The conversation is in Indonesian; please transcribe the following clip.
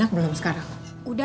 masafatnya aku osman organizasinya